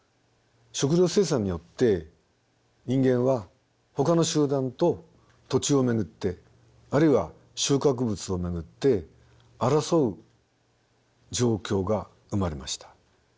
食料生産によって人間はほかの集団と土地を巡ってあるいは収穫物を巡って争う状況が生まれました。